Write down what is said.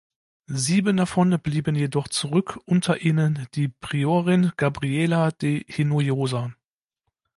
Sieben davon blieben jedoch zurück, unter ihnen die Priorin, Gabriela de Hinojosa.